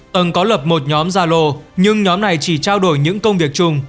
tầng có lập một nhóm gia lô nhưng nhóm này chỉ trao đổi những công việc chung